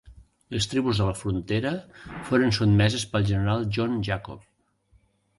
Les tribus de la frontera foren sotmeses pel general John Jacob.